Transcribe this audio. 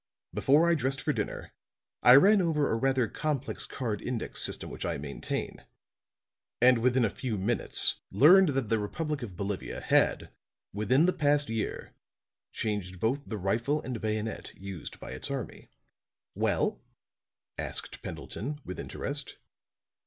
Before I dressed for dinner, I ran over a rather complete card index system which I maintain; and within a few minutes learned that the republic of Bolivia had, within the past year, changed both the rifle and bayonet used by its army." "Well?" asked Pendleton, with interest.